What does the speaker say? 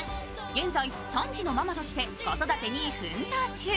現在３児のママとして子育てに奮闘中。